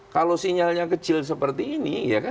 kalau sinyalnya kecil seperti ini